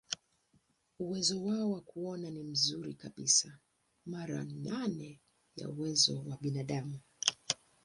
Uwezo wao wa kuona ni mzuri kabisa, mara nane ya uwezo wa binadamu.